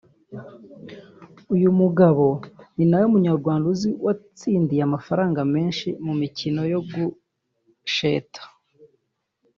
uyu mugabo ninawe munyarwanda uzwi watsindiye amafaranga menshi mu mikino yo gusheta